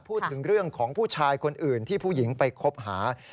พูดถึงเรื่องของผู้ชายคนอื่นที่ผู้หญิงไปคบหา